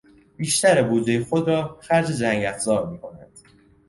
بیشتر بودجهی خود را خرج جنگ افزار میکنند.